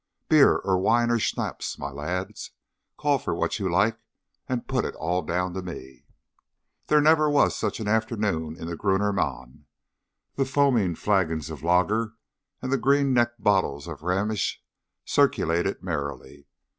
Beer, or wine, or shnapps, my lads call for what you like, and put it all down to me." Never was there such an afternoon in the Grüner Mann. The foaming flagons of lager and the green necked bottles of Rhenish circulated merrily.